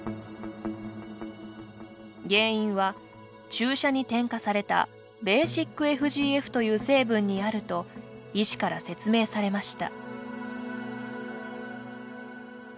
原因は、注射に添加されたｂＦＧＦという成分にあると医師から説明されました。